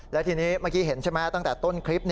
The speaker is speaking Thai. แล้วทีนี้เมื่อกี้เห็นใช่ไหมตั้งแต่ต้นคลิป